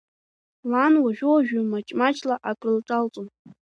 Лан уажәыуажәы маҷ-маҷла акрылҿалҵон.